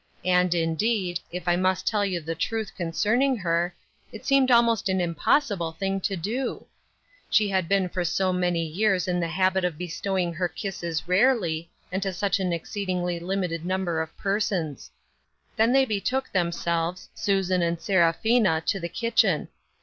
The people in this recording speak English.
And, indeed, if I must tell you the truth concerning her, it seemed almost an impossible thing to do ! She had been for so many years in the habit of bestow ing her kisses rarely and to such an exceedingly limited number of persons. Then they betook themselves, Susan and Seraphina, to the kitchen.